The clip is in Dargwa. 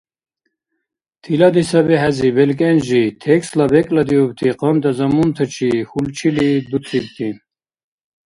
Тилади саби хӀези белкӀен жи, текстла бекӀлидиубти къанта замунтачи хьулчили дуцибти